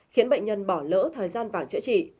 khiến bệnh nhân bỏ lỡ thời gian vàng chữa trị